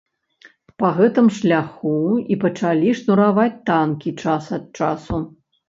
Па гэтым шляху і пачалі шнураваць танкі час ад часу.